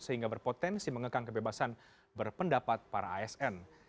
sehingga berpotensi mengekang kebebasan berpendapat para asn